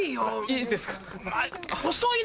いいんですか？